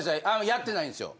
やってないんですよ。